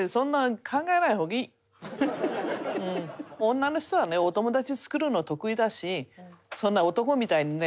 女の人はねお友達作るの得意だしそんな男みたいにね